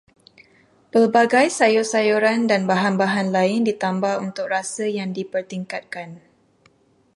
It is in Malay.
Pelbagai sayur-sayuran dan bahan-bahan lain ditambah untuk rasa yang dipertingkatkan